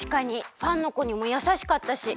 ファンのこにもやさしかったし。